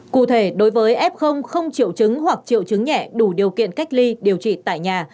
cụ thể đối với f không triệu chứng hoặc triệu chứng nhẹ đủ điều kiện cách ly điều trị tại nhà